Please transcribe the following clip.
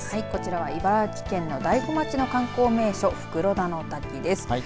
こちらは茨城県の大子町の観光名所袋田の滝です。